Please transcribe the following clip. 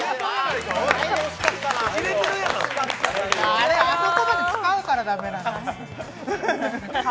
あれ、あそこまで使うから駄目なんですよ。